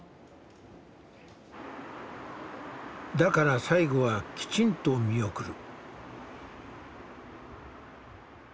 だから最期はきちんと見送る。